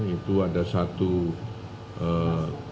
itu ada satu hunian